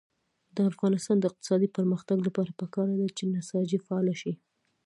د افغانستان د اقتصادي پرمختګ لپاره پکار ده چې نساجي فعاله شي.